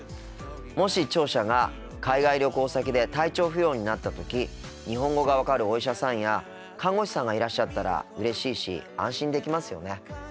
もし聴者が海外旅行先で体調不良になった時日本語が分かるお医者さんや看護師さんがいらっしゃったらうれしいし安心できますよね。